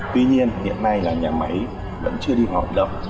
tuy nhiên hiện nay là nhà máy vẫn chưa đi hoạt động